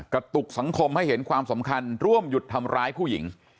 กระตุกสังคมให้เห็นความสำคัญร่วมหยุดทำร้ายผู้หญิง